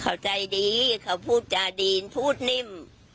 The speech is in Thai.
เขาใจดีเขาพูดจาดีนพูดนิ่ม